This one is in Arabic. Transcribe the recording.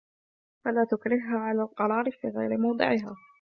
فَلَا تُكْرِهُهَا عَلَى الْقَرَارِ فِي غَيْرِ مَوْضِعِهَا